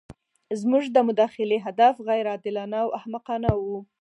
زموږ د مداخلې هدف غیر عادلانه او احمقانه وو.